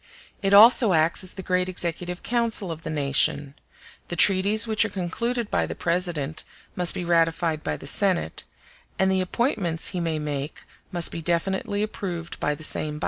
It also acts as the great executive council of the nation; the treaties which are concluded by the President must be ratified by the Senate, and the appointments he may make must be definitely approved by the same body.